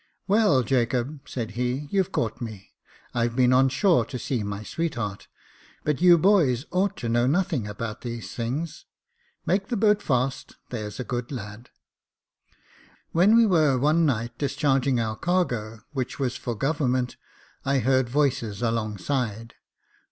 "Well, Jacob," said he, " you've caught me. I've been on shore to see my sweetheart j but you boys ought to know nothing about these things. Make the boat fast, there's a good lad." When we were one night discharging our cargo, which was for government, I heard voices alongside.